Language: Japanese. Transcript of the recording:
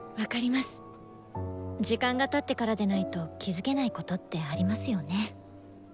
時間がたってからでないと気付けないことってありますよね。